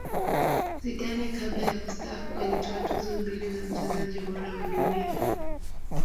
zidane kabla ya kustaafu alitwaa tuzo mbili za mchezaji bora wa dunia